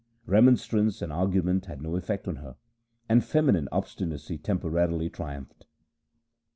Remonstrance and argument had no effect on her, and feminine obstinacy temporarily triumphed.